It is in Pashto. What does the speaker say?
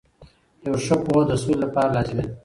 یوه ښه پوهه د سولې لپاره لازمي ده.